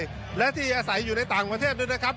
ชาวอาศัยในต่างประเทศ